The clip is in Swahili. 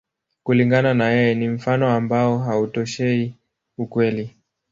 Kulingana na yeye, ni mfano ambao hautoshei ukweli.